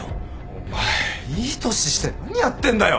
お前いい年して何やってんだよ。